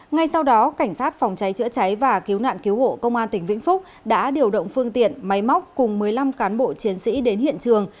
ngay sau đó cảnh sát phòng cháy chữa cháy và cứu nạn cứu hộ công an tỉnh vĩnh phúc đã điều động phương tiện máy móc cùng một mươi năm cán bộ chiến sĩ đến hiện trường